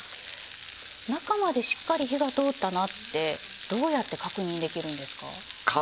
中までしっかり火が通ったなってどうやって確認できるんですか？